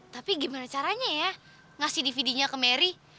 tapi gimana caranya ya ngasih dvd nya ke mary